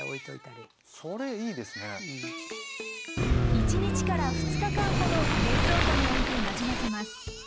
１日から２日間ほど冷蔵庫においてなじませます。